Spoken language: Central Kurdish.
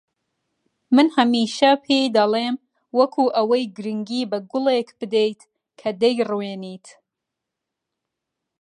من هەمیشە پێی دەڵێم وەکو ئەوەی گرنگی بە گوڵێک بدەیت کە دەیڕوێنیت